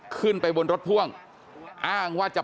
กลับไปลองกลับ